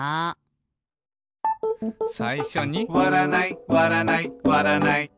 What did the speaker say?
さいしょに「わらないわらないわらない」